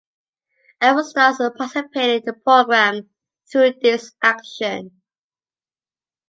Everyone starts participating in the program through this action.